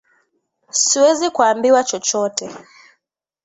Siwezi kuambiwa chochote